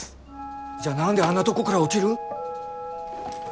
じゃあ何であんなとこから落ちる？